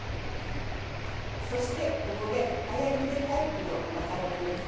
そして、ここで早ゆでタイプのマカロニです。